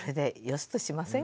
よしとします。